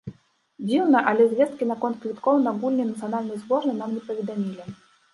Дзіўна, але звесткі наконт квіткоў на гульні нацыянальнай зборнай нам не паведамілі.